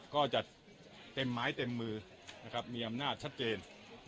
ก็จะเต็มหมายเต็มมือมีอำนาจชัดเจน